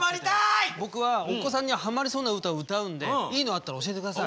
僕はお子さんにはまりそうな歌を歌うんでいいのあったら教えて下さい。